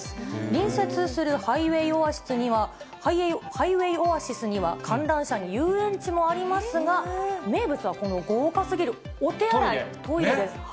隣接するハイウエイオアシスには観覧車に遊園地もありますが、名物はこの豪華すぎるお手洗い、トイレです。